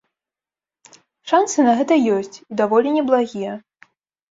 Шанцы на гэта ёсць, і даволі неблагія.